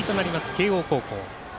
慶応高校。